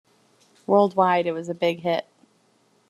Worldwide, it was a big hit.